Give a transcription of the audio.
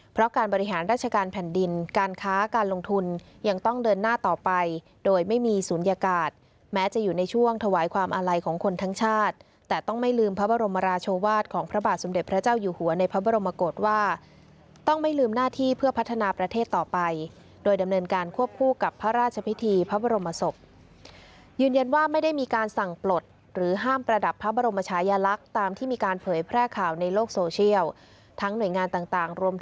เพราะการบริหารราชการแผ่นดินการค้าการลงทุนยังต้องเดินหน้าต่อไปโดยไม่มีศูนยากาศแม้จะอยู่ในช่วงถวายความอาลัยของคนทั้งชาติแต่ต้องไม่ลืมพระบรมราชวาสของพระบาทสมเด็จพระเจ้าอยู่หัวในพระบรมกฏว่าต้องไม่ลืมหน้าที่เพื่อพัฒนาประเทศต่อไปโดยดำเนินการควบคู่กับพระราชพิธีพระบร